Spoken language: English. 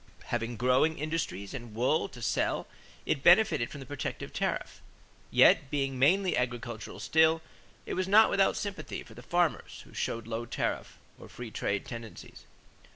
Having growing industries and wool to sell it benefited from the protective tariff. Yet being mainly agricultural still, it was not without sympathy for the farmers who showed low tariff or free trade tendencies.